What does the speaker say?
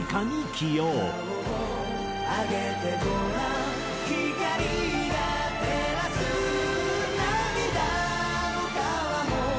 「顔を上げてごらん」「光が照らす」「涙の河も」